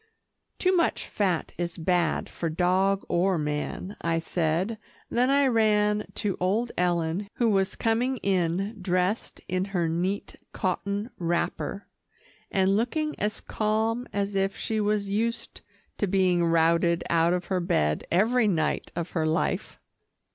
"Too much fat is bad for dog or man," I said, then I ran to old Ellen who was coming in dressed in her neat cotton wrapper, and looking as calm as if she was used to being routed out of her bed every night of her life.